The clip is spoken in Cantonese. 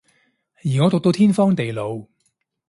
而我毒到天荒地老